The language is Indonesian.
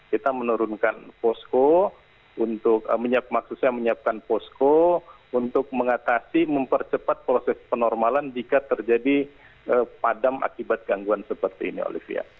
kita menurunkan posko untuk menyiapkan posko untuk mengatasi mempercepat proses penormalan jika terjadi padam akibat gangguan seperti ini olivia